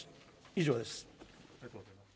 以上です。